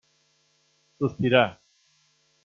Sospirà.